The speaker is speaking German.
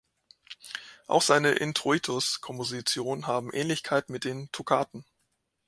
Auch seine Introitus-Kompositionen haben Ähnlichkeit mit den Toccaten.